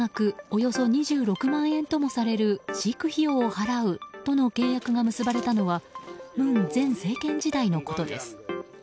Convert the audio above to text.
およそ２６万円ともされる飼育費用を払うとの契約が結ばれたのは文前政権時代のことです。